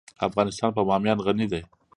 افغانستان په بامیان غني دی.